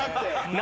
何？